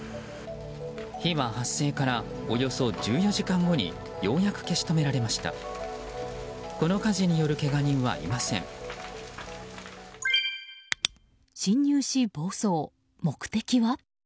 火は発生からおよそ１４時間後にようやく消し止められました。